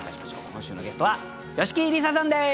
今週のゲストは吉木りささんです。